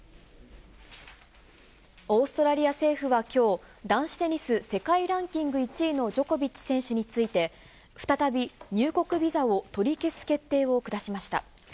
オーストラリア政府はきょう、男子テニス世界ランキング１位のジョコビッチ選手について、再び入国ビザを取り消す決定を下しました。